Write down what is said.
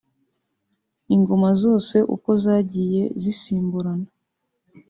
Ingoma zose uko zagiye zisimburana